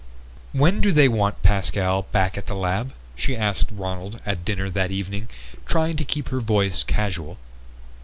"When do they want Pascal back at the lab?" she asked Ronald at dinner that evening, trying to keep her voice casual.